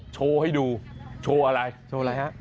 โชว์ให้ดูโชว์อะไร